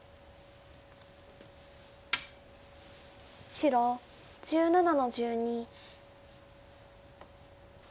白１７の十二。